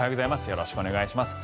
よろしくお願いします。